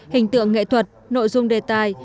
hình tượng nghệ thuật nội dung đề tài